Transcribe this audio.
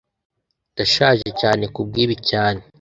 Ndashaje cyane kubwibi cyane